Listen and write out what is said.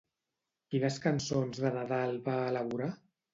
Quines cançons de Nadal va elaborar?